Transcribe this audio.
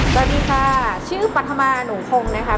สวัสดีค่ะชื่อปัธมาหนูคงนะคะ